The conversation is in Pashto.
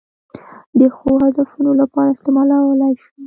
د ښو هدفونو لپاره استعمالولای شو.